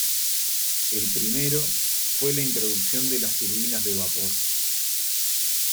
El primero, fue la introducción de las turbinas de vapor.